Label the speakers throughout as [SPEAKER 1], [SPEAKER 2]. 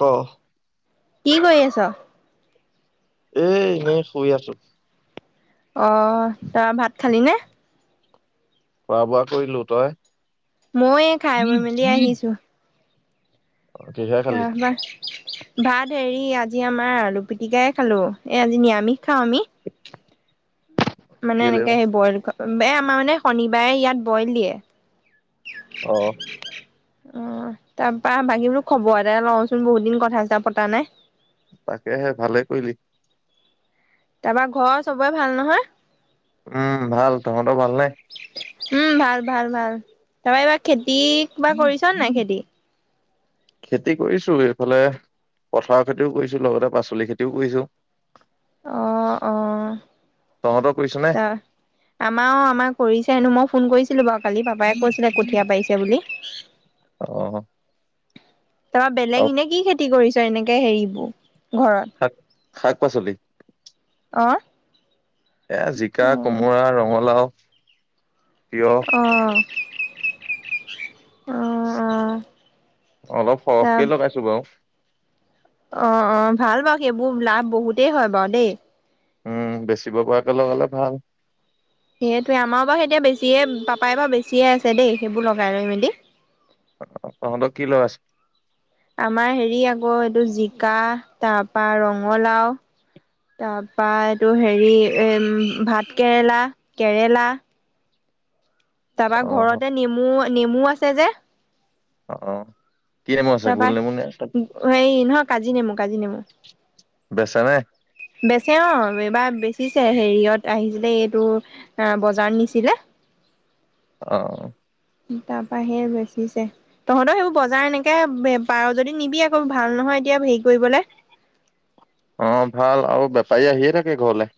[SPEAKER 1] ক
[SPEAKER 2] কি কৰি আছা?
[SPEAKER 1] এ এনেই শুই আছো
[SPEAKER 2] অ' তই ভাত খালি নে?
[SPEAKER 1] খোৱা বোৱা কৰিলো। তই?
[SPEAKER 2] মইয়য়ে খাই বৈ মেলি আহিছো।
[SPEAKER 1] অ, কিহে খালি
[SPEAKER 2] আহ ম ভাত হেৰি আজি আমাৰ আলু পিটিকাই খালো এ আজি নিৰামিষ খাও আমি মানে
[SPEAKER 1] কেলে
[SPEAKER 2] এনেকে
[SPEAKER 1] বা?
[SPEAKER 2] সেই বইল এই আমাৰ মানে শনিবাৰে ইয়াত বইল দিয়ে।
[SPEAKER 1] আহ,
[SPEAKER 2] অ' তাৰপা বাকী বো খবৰ এটা লওঁচোন বহুত দিন কথা চথা পতা নাই
[SPEAKER 1] তাকেহে ভালে কৰিলি
[SPEAKER 2] তাৰপা ঘৰ চবৰে ভাল নহয়
[SPEAKER 1] উম ভাল তহঁতৰ ভালনে
[SPEAKER 2] উম ভাল ভাল ভাল চবাই ব খেতি খেতি কি বা কৰিছ ন নাই খেতি
[SPEAKER 1] খেতি কৰিছো এইফালে পথাৰৰ খেতিও কৰিছো লগতে পাচলি খেতিও কৰিছো।
[SPEAKER 2] অ' অ'
[SPEAKER 1] তহঁতৰ কৰিছ নে
[SPEAKER 2] তই আমাৰ অ' আমাৰ কৰিছেনো মই ফোন কৰিছো। কৰিছিলো বাৰু কালি পাপাই কৈছিলে কঠীয়া পাৰিছে বুলি।
[SPEAKER 1] অ'।
[SPEAKER 2] তই বেলেগ
[SPEAKER 1] আৰু
[SPEAKER 2] এনে কি খেতি কৰিছ ই এনেকে হেৰিব ঘৰত
[SPEAKER 1] শাক শাক পাচলি।
[SPEAKER 2] অ'।
[SPEAKER 1] এ জিকা,
[SPEAKER 2] অ
[SPEAKER 1] কোমোৰা, ৰঙালাউ।
[SPEAKER 2] অ'। অ অ
[SPEAKER 1] অলপ
[SPEAKER 2] তাৰ
[SPEAKER 1] সৰহকে লগাইছোঁ বাৰু।
[SPEAKER 2] অ', অ', ভাল বাৰু এইবোৰ লাভ বহুতেই হয়, বাৰু দেই।
[SPEAKER 1] উম, বেচিব পৰাকৈ লগালে ভাল।
[SPEAKER 2] সেইটোৱে আমাৰো বাৰু এতিয়া বেছিয়ে পাপাই বাৰু বেছিয়ে আছে দেই, সেইবোৰ লগাই লৈ মেলি।
[SPEAKER 1] অ', তহঁতৰ কি লগাইছ
[SPEAKER 2] আমাৰ হেৰি আকৌ এইটো জিকা তাৰপা ৰঙালাওঁ, তাৰপা এইটো হেৰি এম ভাত কেৰেলা, কেৰেলা। তাৰপা
[SPEAKER 1] অ
[SPEAKER 2] ঘৰতে নেমু নেমু আছে যে
[SPEAKER 1] অ', অ', কি নেমু আছে গোল
[SPEAKER 2] তাৰপাই
[SPEAKER 1] নেমু নে
[SPEAKER 2] হেৰি নহক কাজি নেমু কাজি নেমু।
[SPEAKER 1] বেচা নে?
[SPEAKER 2] বেচে অ' এইবাৰ বেচিছে হেৰিহত আহিছিলে এইটো বজাৰত নিছিলে।
[SPEAKER 1] অ'
[SPEAKER 2] তাৰপৰা আহি এই বেচিছে তহঁতৰ সেইবোৰ বজাৰ এনেকে পাৰ যদি নিবি আকৌ ভাল নহয় এতিয়া হেৰি কৰিবলে
[SPEAKER 1] অ' ভাল আৰু বেপাৰী আহিয়ে থাকে ঘৰলৈ।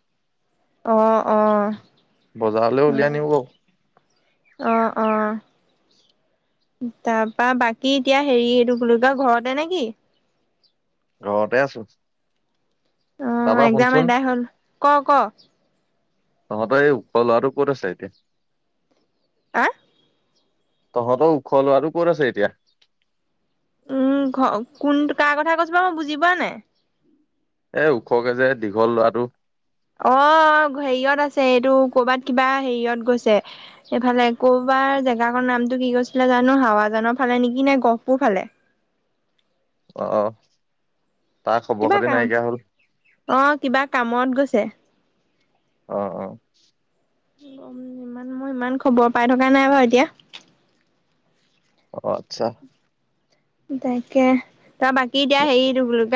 [SPEAKER 2] অ' অ'
[SPEAKER 1] বজাৰলৈ উলিয়াই নিব।
[SPEAKER 2] অ' অ' তাৰপা বাকী এতিয়া হেৰি এইটো বুলি কয় ঘৰতে নে কি।
[SPEAKER 1] ঘৰতে আছো
[SPEAKER 2] অ'
[SPEAKER 1] তাৰপা
[SPEAKER 2] একজাম
[SPEAKER 1] শুনচোন
[SPEAKER 2] এইবাৰ হ'ল ক' ক'
[SPEAKER 1] তহঁতে এই ওখ লৰাটো ক'ত আছে এতিয়া?
[SPEAKER 2] আহ?
[SPEAKER 1] তহঁতৰ ওখ লোৱাটো ক'ত আছে এতিয়া?
[SPEAKER 2] উম ঘ কোন কাৰ কথা কৈছো মই বুজি পোৱা নাই?
[SPEAKER 1] এ ওখকে যে দীঘল লৰাটো
[SPEAKER 2] অ' হেৰিয়ত আছে এইটো কৰবাত কিবা হেৰিয়ত গৈছে এইফালে কৰবাৰ জেগাকৰ নামটো কি কৈছিলে জানো হাৱাজানৰ ফালে নেকি নাই গহপুৰ ফালে।
[SPEAKER 1] অহ
[SPEAKER 2] কিবা কাম অ' কিবা কামত গৈছে।
[SPEAKER 1] অ', অ',
[SPEAKER 2] গম ইমান মই ইমান খবৰ পাই থকা নাই বাৰু এতিয়া।
[SPEAKER 1] অ' আচ্ছা।
[SPEAKER 2] তাকে। তই বাকী এতিয়া হেৰিটো বোলো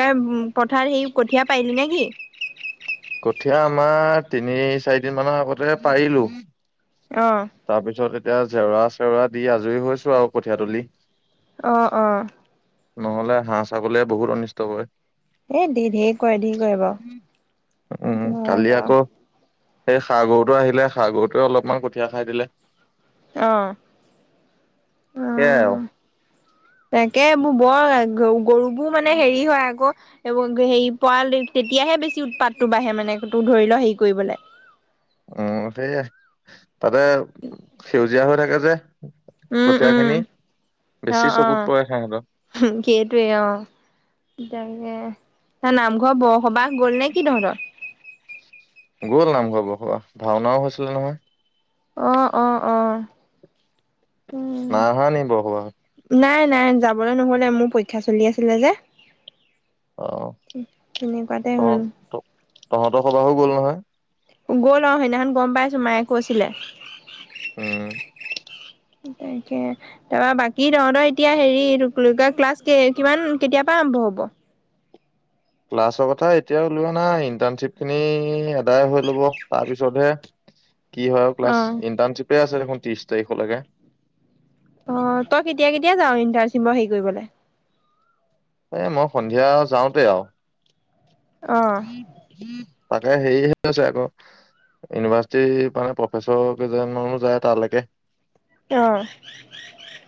[SPEAKER 2] পথাৰ সেই কঠীয়া পাৰিলি নে কি?
[SPEAKER 1] কঠীয়া আমাৰ তিনি চাৰিদিন মানৰ আগতে পাৰিলো।
[SPEAKER 2] অ
[SPEAKER 1] তাৰপিছত এতিয়া। এতিয়া জেওৰা-চেওৰা দি আজৰি হৈছো আৰু কঠিয়া তুলি
[SPEAKER 2] অ', অ',
[SPEAKER 1] নহলে হাঁহ ছাগলীয়ে বহুত অনিষ্ট কৰে।
[SPEAKER 2] এই দি ধঢেৰ কৰে ধেৰ কৰে বাৰু বাৰ [unintelligible]
[SPEAKER 1] সেই সাৰ গৰুটো আহিলে সাৰ গৰুটোৱে অলপমান কঠিয়া। সেইয়া‌ খাই দিলে
[SPEAKER 2] অ',
[SPEAKER 1] সেয়াই আৰু
[SPEAKER 2] অ', তাকেই এইবোৰ বৰ গ গৰুবোৰ মানে হেৰি হয় আকৌ এইবোৰ হেৰি পোৱালি তেতিয়াহে বেছি উৎপাতটো বাঢ়ে মানে ত ধৰি ল হেৰি কৰিবলৈ।
[SPEAKER 1] উম সেইয়াই ততে সেউজিয়া [unintelligible] হৈ থাকে যে
[SPEAKER 2] উম,
[SPEAKER 1] কঠীয়া
[SPEAKER 2] উম,
[SPEAKER 1] খিনি বেছি
[SPEAKER 2] অ',
[SPEAKER 1] চকুত
[SPEAKER 2] অ',
[SPEAKER 1] পৰে সিহঁতৰ
[SPEAKER 2] সেইটোৱে অ'। [unintelligible] নাম বৰসবাহ গ'ল নেকি তহঁতৰ?
[SPEAKER 1] গ'ল নামঘৰ বৰসবাহ ভাওনাও হৈছিল নহয়
[SPEAKER 2] অ' অ' অ'
[SPEAKER 1] নাই
[SPEAKER 2] উম
[SPEAKER 1] অহা নি বৰসবাহত?
[SPEAKER 2] নাই নাই যাবলৈ নহ'লে মোৰ পৰীক্ষা চলি আছিলে যে, তেনেকুৱাতে
[SPEAKER 1] অ',
[SPEAKER 2] হ'ল
[SPEAKER 1] তহঁতৰ খবৰ আৰু গল নহয়।
[SPEAKER 2] গ'ল অ', সেইদিনাখন গম পাইচো মায়ে কৈছিলে।
[SPEAKER 1] উম।
[SPEAKER 2] তাকে তাৰ বাকী তহঁতৰ এতিয়া হেৰি টো ক্লাছ কিমান কেতিয়া পা আৰম্ভ হব?
[SPEAKER 1] ক্লাছৰ কথা এতিয়া উলোৱা নাই ইন্টাৰ্ণশ্বিপ খিনি এদায় হৈ ল'ব তাৰপিছতহে। কি হয় আৰু ক্লাছ
[SPEAKER 2] অ
[SPEAKER 1] ইণ্টাৰ্শ্বিপে আছে। [unintelligible] ত্ৰিছ তাৰিখ লয়কে।
[SPEAKER 2] অ', তই কেতিয়া কেতিয়া যাৱ ইন্টাৰচিপৰ হেৰি কৰিবলে?
[SPEAKER 1] এ মই সন্ধিয়া যাওঁতে আৰু।
[SPEAKER 2] অ
[SPEAKER 1] [inaudible] তাকে হেৰিহে আছে আকৌ ইউনিভাৰ্চিটিৰ মানে প্ৰফেচৰ কেইজন মানও যায় তালৈকে।
[SPEAKER 2] অ', অ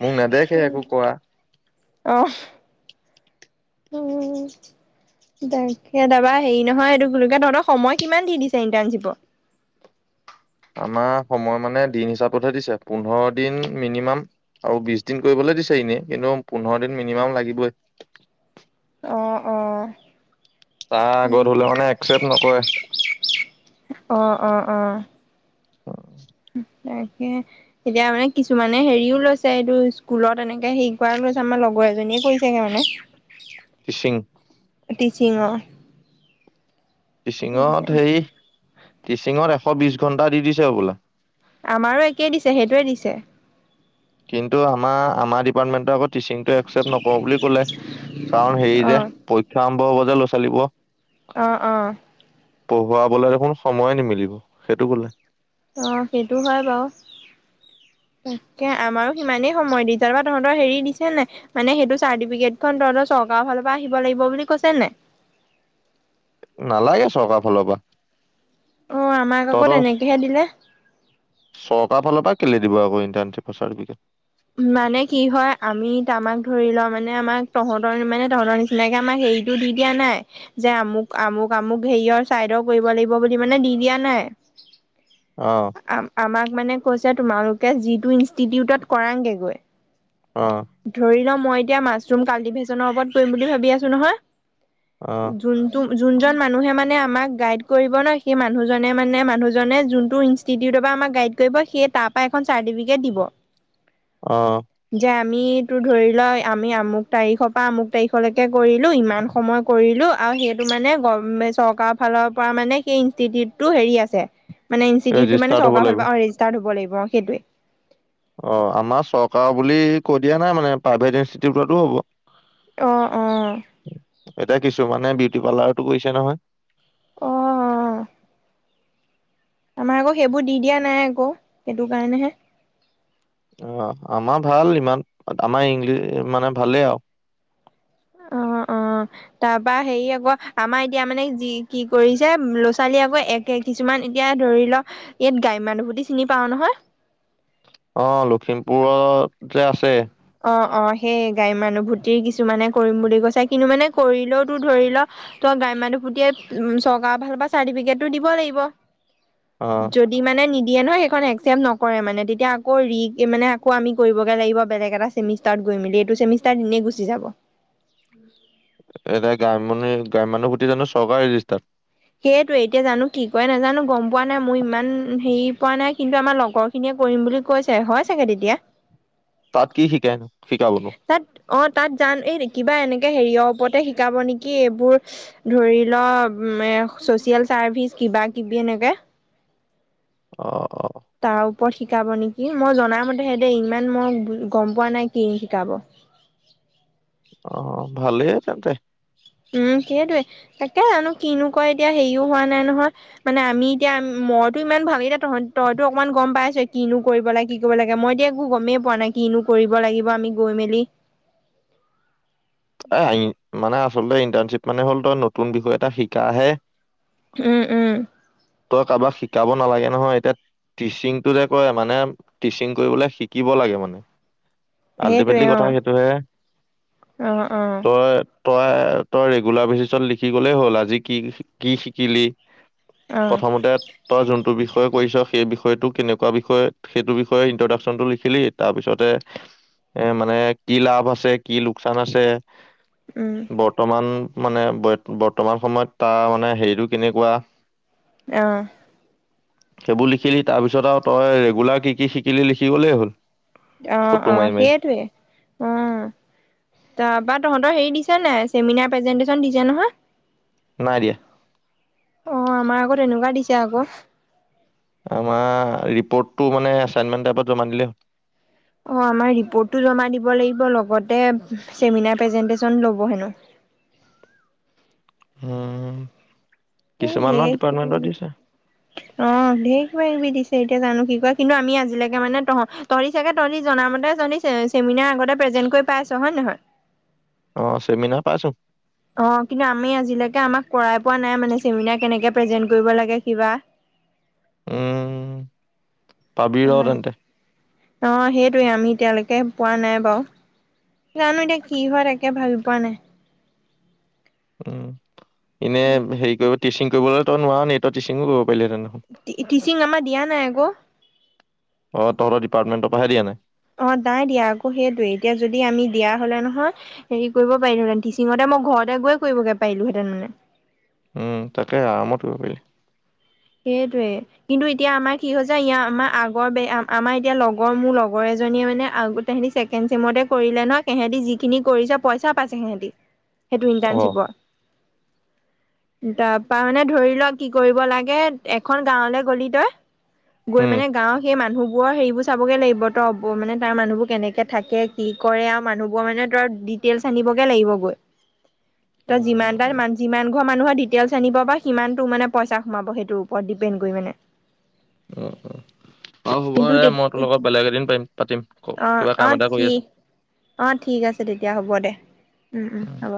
[SPEAKER 1] মোক নেদেখে একো
[SPEAKER 2] তাকে
[SPEAKER 1] কৰা
[SPEAKER 2] তাপা হেৰি নহয় এইটো কি বুলি কয় তহঁতৰ সময় কিমান দি দিছে ইণ্টাৰণশ্বিপত?
[SPEAKER 1] আমাৰ সময় মানে দিন হিচাপতহে দিছে পোন্ধৰ দিন মিনিমাম আৰু বিশ দিন কৰিবলৈ দিছে এনেই কিন্তু পোন্ধৰ দিন মিনিমাম লাগিবই।
[SPEAKER 2] অ', অ'।
[SPEAKER 1] তাৰ আগত হলে মানে একচেপ্ট নকৰে।
[SPEAKER 2] অ অ অ তাকে এতিয়া মানে কিছুমানে হেৰিও লৈছে এইটো স্কুলত এনেকে হেৰি কৰা লৈছে আমাৰ লগৰ এজনীয়ে কৰিছেহে মানে।
[SPEAKER 1] টিচিং
[SPEAKER 2] চিংৰ।
[SPEAKER 1] টিচিংত হেৰি টিচিংত এশ বিশ ঘন্টা দি দিছে বোলে।
[SPEAKER 2] আমাৰো একেই দিছে সেইটোৱে দিছে।
[SPEAKER 1] কিন্তু আমাৰ আমাৰ ডিপাৰ্টমেন্টৰ আগত টিচিংটো এক্সেপ্ত নকৰোঁ বুলি কলে কাৰণ হেৰি
[SPEAKER 2] অ
[SPEAKER 1] যে পৰীক্ষা আৰম্ভ হব ল'ৰা ছোৱালী বোৰৰ।
[SPEAKER 2] অ', অ'।
[SPEAKER 1] পঢ়ুৱাবলেই দেখোন সময়ে নিমিলিব সেইটো কলে।
[SPEAKER 2] অ', সেইটো হয় বাৰু তাকে আমাৰো সিমানেই সময় দিছে। তহঁতৰ হেৰি দিছে নে মানে সেইটো চাৰ্টিফিকেটখন তহঁতৰ চৰকাৰৰ ফালৰ পৰা আহিব লাগিব বুলি কৈছে নাই?
[SPEAKER 1] নালাগে চৰকাৰ ফালৰ পৰা।
[SPEAKER 2] ও, আমাক আকৌ
[SPEAKER 1] তহঁতৰ
[SPEAKER 2] তেনেকেহে দিলে।
[SPEAKER 1] চৰকাৰৰ ফালৰ পৰা কেলে দিব আকৌ ইনণ্টেটচিপৰ চাৰ্টিফিকেট।
[SPEAKER 2] মানে কি হয় আমি আমাক ধৰি লওঁ মানে আমাক তহঁতৰ মানে তহঁতৰ নিচিনাকে আমাক হেৰিতটো দি দিয়া নাই যে আমুক-আমুক-আমুক হেৰিয়ৰ চাইডৰ কৰিব লাগিব বুলি মানে দি দিয়া নাই।
[SPEAKER 1] অ
[SPEAKER 2] আ আমাক মানে কৈছে তোমালোকে যিটো ইনষ্টিটিউটত কৰাংগেগৈ ধৰিলম মই এতিয়া মাছৰুম কাল্টিভেশচনৰ ওপৰত কৰিম বুলি ভাবি আছো নহয়।
[SPEAKER 1] অ
[SPEAKER 2] যোনতো যোনজন মানুহে মানে আমাক গাইড কৰিব ন সেই মানুহ জনে মানে মানুহ জনে যোনতো ইনষ্টোটিৰ পা আমাক গাইড কৰিব সেই তাৰ পৰা এখন চাৰ্টিফিকেট দিব।
[SPEAKER 1] আহ
[SPEAKER 2] আমিতো ধৰি লোৱা আমি আমুক তাৰিখৰ পৰা আমুক তাৰিখলৈকে কৰিলো ইমান সময় কৰিলো আৰু সেইটো মানে গ চৰকাৰৰ ফালৰ পৰা মানে সেই ইনষ্টিটিউটটো হেৰি আছে মান ইনষ্টিউটো মানে
[SPEAKER 1] ৰেজিষ্টাৰ্ড হ'ব
[SPEAKER 2] চৰকাৰ
[SPEAKER 1] লাগিব।
[SPEAKER 2] ফাল পৰা ৰেজিষ্টাৰ হ'ব লাগিব সেইটোৱে
[SPEAKER 1] অ' আমাৰ চৰকাৰ বুলি কৈ দিয়া নাই মানে প্ৰাইভেট ইনষ্টিটিউটো হ'ব।
[SPEAKER 2] আহ আহ
[SPEAKER 1] এতিয়া কিছুমানে বিউটি পাৰ্লাৰতো কৰিছে নহয়।
[SPEAKER 2] আমাৰ আকৌ সেইবোৰ দি দিয়া নাই আকৌ সেইটো কাৰণেহে,
[SPEAKER 1] অ' আমাৰ ভাল ইমান আমাৰ ইংলিছ মানে ভালেই আৰু
[SPEAKER 2] অ' অ' তাৰ পৰাৰা হেৰি আকৌ আমাৰ এতিয়া মানে যি কি কৰিছে ল'ৰা ছোৱালীয়ে আকৌ একে কিছুমান এতিয়া ধৰি লওক ইয়াত গাই মানুহপুটি চিনি পাও নহয়।
[SPEAKER 1] অ' লখিমপুৰত যে আছে,
[SPEAKER 2] অ' অ' সেই গাই মানুহভূতি কিছুমানে কৰিম বুলি কৈছে কিন্তু মানে কৰিলেও তো ধৰি ল গাই মানুহভূতি উ চৰকাৰাল চাৰ্টিফিকেটো ও দিব লাগিব
[SPEAKER 1] অ',
[SPEAKER 2] যদি মানে নিজ দিয়ে নহয় সেইখন একচেপ্ট নকৰে মানে তেতিয়া আকৌ ৰিক মানে আকৌ আমি কৰিবগৈ লাগিব বেলেগ এটা ছেমিষ্টাৰৰ গৈ মেলি এইটো ছেমিষ্টাৰৰ এনেই গুচি যাব
[SPEAKER 1] এতিয়া গগা গ্ৰাম মানুহ সুটি জানো চৰকাৰ ৰেজিষ্টাৰ
[SPEAKER 2] সেইটোৱে এতিয়া জানো কি ক নাজানো গম পোৱা নাই মোৰ ইমান হেৰি পোৱা নাই কিন্তু আমাৰ লগৰ খিনিয়ে কৰিম বুলি কৈছে হয় চাগে তেতিয়া
[SPEAKER 1] তাত কি শিকাইনো শিকাবনো?
[SPEAKER 2] তাত অ' তাত যান এই কি'বা এনেকে হেৰিয়ৰ ওপৰতে শিকাব নেকি এইবোৰ ধৰি ল এ চচিয়েল চাৰ্ভিচ কিবা কিবি এনেকে
[SPEAKER 1] অ' অ'
[SPEAKER 2] তাৰ ওপৰত শিকাব নেকি মই জনাই মতে সেতে ইমান মই গম পোৱা নাই কি শিকাব
[SPEAKER 1] অ' ভালে আ তেন্তে
[SPEAKER 2] উম সেইটোয়ে তাকে জানো কিনো কয় এতিয়া হেৰিও হোৱা নাই নহয় মানে আমি এতিয়া মইতো ইমান ভাব এতিয়া ত তইতো অকমান গম পাইছ কিনো কৰিব লাগে কি কৰিব লাগে মই এতিয়া একো গমেই পোৱা নাই কিনো কৰিব লাগিব আমি গৈ মেলি
[SPEAKER 1] অ' মানে আচলতে ইণ্টাৰ্ণশ্বিপ মানে হ'ল তই নতুন বিষয়ে এটা শিকাহে
[SPEAKER 2] উম উম
[SPEAKER 1] তই কাৰোবাক শিক শিকাব নালাগে নহয় এতিয়া টিচিংটো যে কয় মানে টিচিং কৰিবলে শিকিব লাগে মানে
[SPEAKER 2] সেইটোৱে
[SPEAKER 1] আল্টিমেটলি
[SPEAKER 2] অ
[SPEAKER 1] কথা সেইটোহে
[SPEAKER 2] অ অ
[SPEAKER 1] তই তই তই ৰেগুলাৰ বেচিছত লিখি গ'লেই হ'ল আজি কি কি শিকিলি
[SPEAKER 2] অ
[SPEAKER 1] প্ৰথমতে তই যোনটো বিষয় য় কৰিছ সেই বিষয়টো কেনেকুৱা বিষয় সেইটো বিষয়ে ইন্ট্ৰডাকচন টো লিখিলি তাৰপিছতে এ মানে কি লাভ আছে কি লোকচান আছে
[SPEAKER 2] উম
[SPEAKER 1] বৰ্তমান মানে ব-বৰ্তমান সময়ত তাৰ মানে হেৰিটো কেনেকুৱা?
[SPEAKER 2] অ'।
[SPEAKER 1] সেইবোৰ লিখিলি, তাৰপিছত আৰু তই ৰেগুলাৰ কি, কি শিকিলি লিখি গ'লেই হ'ল।
[SPEAKER 2] অ',
[SPEAKER 1] ফটো
[SPEAKER 2] অ',
[SPEAKER 1] মাৰি মাৰি
[SPEAKER 2] সেইটোয়ে, অ', তাৰপাত তহঁতৰ হেৰি দিছে নাই? চেমিনাৰ প্ৰেজেন্টেচন দিছে নহয়?
[SPEAKER 1] নাই দিয়া।
[SPEAKER 2] অ', আমাৰ আকৌ তেনেকুৱা দিছে আকৌ।
[SPEAKER 1] আমাৰ ৰিপৰ্টটো মানে এচাইনমেন্ট টাইপত জমা দিলে
[SPEAKER 2] অ', আমাৰ ৰিপৰ্টটো জমা দিব লাগিব, লগতে চেমিনাৰ প্ৰেজেন্টেচন ল'ব হেনো।
[SPEAKER 1] হম।
[SPEAKER 2] এইবোৰ ঢেৰ কিবাকিবি, অ', ঢেৰ কিবাকিবি দিছ তিয়া জানো কি কৰে, কিন্তু আমি আজিলৈকে মানে তহ-তহঁতি চাগে তহঁতি জনামতে তহি চে-চেমিনাৰ আগতে প্ৰেজেন্ট কৰি পাইছ হয়, নহয়?
[SPEAKER 1] অ', চেমিনাৰ পাইছোঁ।
[SPEAKER 2] অ', কিন্তু আমি আজিলৈকে আমাক কৰাই পোৱা নাই মানে চেমিনাৰ কেনেকে প্ৰেজেন্ট কৰিব লাগে, কিবা।
[SPEAKER 1] উম। পাবি ৰ তেন্তে
[SPEAKER 2] অ', হেই টোৱে, আমি এতিয়ালৈকে পোৱা নাই বাৰু, জানো এতিয়া কি হয়, তাকে ভাবি পোৱা নাই।
[SPEAKER 1] উম। এনে হেৰি কৰিব টিচিং কৰিবলৈ তই নোৱাৰ নি, তই টিচিঙো ক
[SPEAKER 2] টিচিং আমাৰ দিয়া নাই আকৌ
[SPEAKER 1] অ' তহতৰ ডিপাৰ্টমেণ্টৰ পাহে দিয়া নাই।
[SPEAKER 2] অ নাই দিয়া আকৌ সেইটয়ে এতিয়া যদি আমি দিয়া হলে নহয় হেৰি কৰিব পাৰিলোহেতেন টিচিঙতে মই ঘৰতে গৈ কৰিবগে পাৰিলোহেঁতেন মানে।
[SPEAKER 1] উম তাকে আৰামত কৰিব পাৰি।
[SPEAKER 2] সেইটোৱে কিন্তু এতিয়া আমাৰ কি হৈছে ইয় আমাৰ আগৰ আমাৰ এতিয়া লগৰ মোৰ লগৰ এজনীয়ে মানে তেহেতি ছেকেণ্ড চেমতে কৰিলে নয় সেহেটি যিখিনি কৰিছে পইচা পাইছে সেহেতি সেইটো
[SPEAKER 1] অ
[SPEAKER 2] ইণ্টাৰ্ণশ্বিপৰ তাৰপা মানে ধৰি লও কি কৰিব লাগে তে এখন গাঁৱলৈ গ'লি তই গৈ
[SPEAKER 1] উম
[SPEAKER 2] মানে গাঁৱৰ সেই মানুহ ব হেৰিবোৰ চাবগে লাগিব তই মানে তাৰ মানুহবোৰ কেনেকে থাকে কি কৰে আৰু মানুহ বোৰ মানে তই ডিটেইলছ আনিবগে লাগিব গৈ তই যিমান তাৰ
[SPEAKER 1] উম
[SPEAKER 2] মান যিমান মানুহৰ ডিটেইলছ আনিব বা সিমানটো মানে পইচা সোমাব সেইটোৰ ওপৰত ডিপেণ্ড কৰি মানে
[SPEAKER 1] অ হ'ব
[SPEAKER 2] কিন্তু
[SPEAKER 1] দে মই তোৰ লগত বেলেগ এদিন পাৰিম পাতিম
[SPEAKER 2] আহ
[SPEAKER 1] কিবা কাম
[SPEAKER 2] আহ
[SPEAKER 1] এটা কৰি
[SPEAKER 2] ঠিক
[SPEAKER 1] আছো
[SPEAKER 2] আহ ঠিক আছে তেতিয়া হ'ব দে উম উম হ'ব।